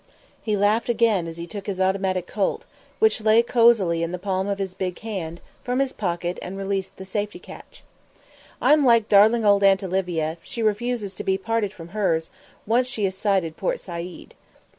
He laughed again as he took his automatic Colt, which lay cosily in the palm of his big hand, from his pocket and released the safety catch. "I'm like darling old Aunt Olivia; she refuses to be parted from hers, once she has sighted Port Said.